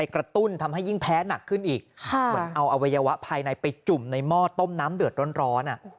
ข้างในไปจุ่มในหม้อต้มน้ำเดือดร้อน